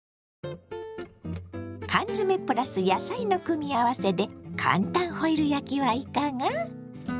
缶詰プラス野菜の組み合わせで簡単ホイル焼きはいかが。